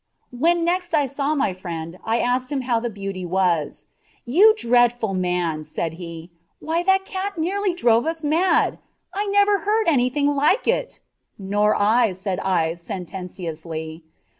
When next I saw my friend, I asked him how "the beauty" was. "You dreadful man!" said he; "why, that cat nearly drove us all mad I never heard anything like it." "Nor I," said I, sententiously.